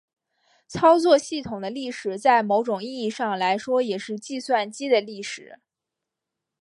操作系统的历史在某种意义上来说也是计算机的历史。